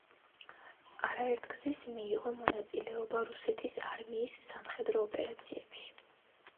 არაერთგზის მიიღო მონაწილეობა რუსეთის არმიის სამხედრო ოპერაციებში.